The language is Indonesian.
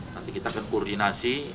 nanti kita akan koordinasi